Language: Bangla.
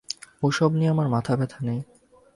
ওসব নিয়ে আমার মাথাব্যথা নেই।